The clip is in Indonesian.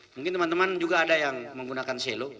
mungkin teman teman juga ada yang menggunakan selo